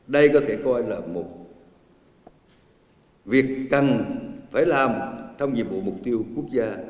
đây có thể coi là một việc cần phải làm trong nhiệm vụ mục tiêu quốc gia